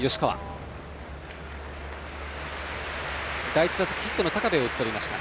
第１打席ヒットの高部を打ち取りました。